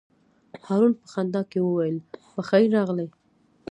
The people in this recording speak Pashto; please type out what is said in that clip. هارون په خندا کې وویل: په خیر راغلې.